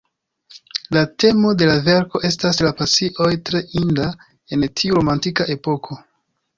La temo de la verko estas la pasioj, tre inda en tiu romantika epoko.